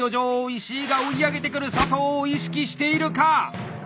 石井が追い上げてくる佐藤を意識しているか！